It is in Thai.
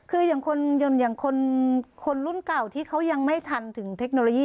คืออย่างคนรุ่นเก่าที่เขายังไม่ทันถึงเทคโนโลยี